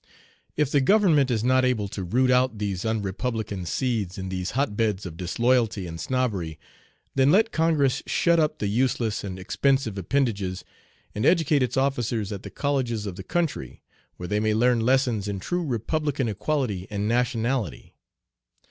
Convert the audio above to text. "If the government is not able to root out these unrepublican seeds in these hot beds of disloyalty and snobbery, then let Congress shut up the useless and expensive appendages and educate its officers at the colleges of the country, where they may learn lessons in true republican equality and nationality.